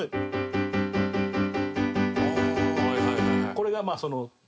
これがまあその不安定。